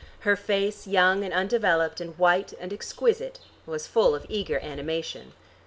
Her face, young and undeveloped, and white and exquisite, was full of eager animation.